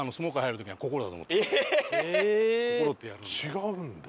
違うんだ。